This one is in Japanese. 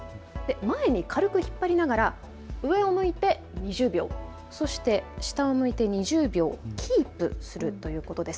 前に軽く引っ張りながら上を向いて２０秒、そして下を向いて２０秒キープするということです。